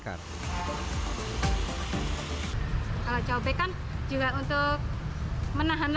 kalau cobek kan juga untuk menahan lebat